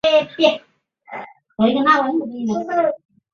不会透漏他们的位置